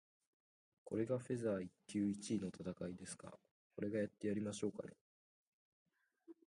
これがフェザー級一位の戦いですか？俺がやってやりましょうかね。